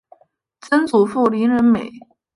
曾祖父林仁美。